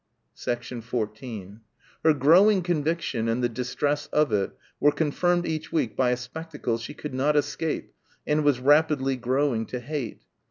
14 Her growing conviction and the distress of it were confirmed each week by a spectacle she could not escape and was rapidly growing to hate.